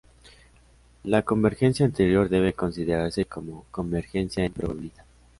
La convergencia anterior debe considerarse como convergencia en probabilidad.